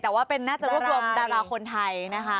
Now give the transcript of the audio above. แต่ว่าน่าจะรวบรวมดาราคนไทยนะคะ